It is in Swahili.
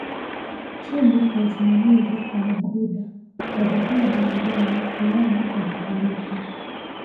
Chini ya usimamizi wa Mabruda wa dhehebu la Roma yaani wakatoliki